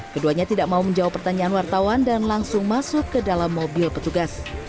keduanya tidak mau menjawab pertanyaan wartawan dan langsung masuk ke dalam mobil petugas